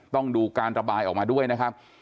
ต้องดูการระบายออกมาด้วยนะครับ